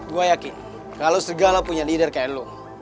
gue yakin kalau segala punya leader kayak lo